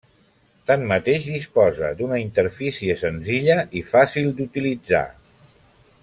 Tanmateix disposa d'una interfície senzilla i fàcil d'utilitzar.